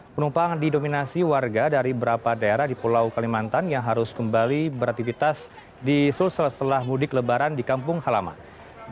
penumpang didominasi warga dari beberapa daerah di pulau kalimantan yang harus kembali beraktivitas di sulsel setelah mudik lebaran di kampung halaman